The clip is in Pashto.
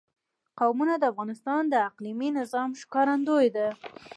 قومونه د افغانستان د اقلیمي نظام ښکارندوی ده.